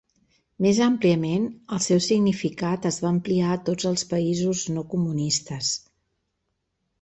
Més àmpliament, el seu significat es va ampliar a tots els països no comunistes.